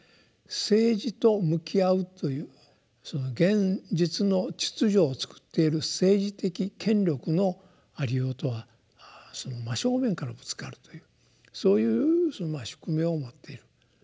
政治と向き合うという現実の秩序をつくっている政治的権力のありようとは真正面からぶつかるというそういう宿命を持っている。